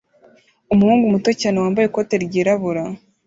Umuhungu muto cyane wambaye ikoti ryirabura